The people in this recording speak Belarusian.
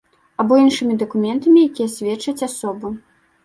Або іншымі дакументамі, якія сведчаць асобу.